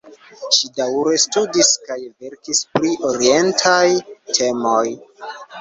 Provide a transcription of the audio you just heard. Ŝi daŭre studis kaj verkis pri orientaj temoj.